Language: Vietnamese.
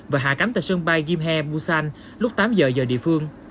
và hạ cánh tại sân bay gimhae muasan lúc tám giờ giờ địa phương